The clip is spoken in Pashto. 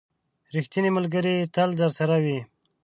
• ریښتینی ملګری تل درسره وي.